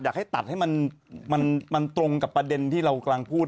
อยากให้ตัดให้มันตรงกับประเด็นที่เรากำลังพูด